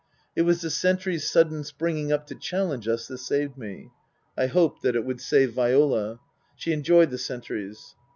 It was the sentry's sudden springing up to challenge us that saved me. I hoped that it would save Viola. She enjoyed the sentries.